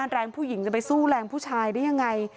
แรงผู้หญิงจะไปสู้แรงผู้ชายได้ยังไง